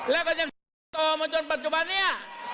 แล้วก็ยังเติบโตมาจนปัจจุบันนี้